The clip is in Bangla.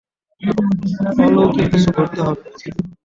অলৌকিক কিছু ঘটতে হবে!